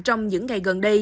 trong những ngày gần đây